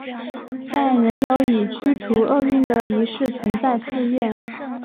但仍有以驱除恶运的仪式存在的寺院。